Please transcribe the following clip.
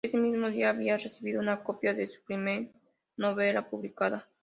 Ese mismo día había recibido una copia de su primer novela publicada.